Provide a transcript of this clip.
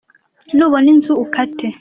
nubona inzu ukate.